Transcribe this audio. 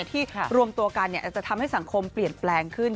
รวมตัวกันอาจจะทำให้สังคมเปลี่ยนแปลงขึ้น